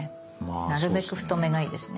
なるべく太めがいいですね。